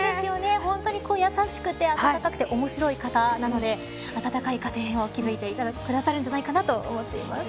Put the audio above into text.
本当に優しくて温かくて、おもしろい方なので温かい家庭を築いてくださるんじゃないかと思っています。